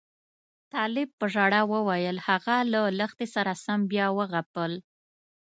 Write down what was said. طالب په ژړا وویل هغه له لښتې سره سم بیا وغپل.